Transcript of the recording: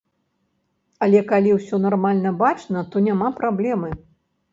Але калі ўсё нармальна бачна, то няма праблемы.